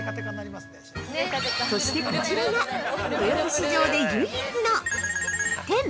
そしてこちらが、豊洲市場で唯一の○○店！